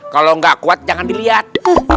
kalau nggak kuat jangan dilihat